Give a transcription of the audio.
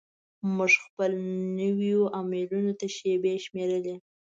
موږ خپلو نویو آمرینو ته شیبې شمیرلې.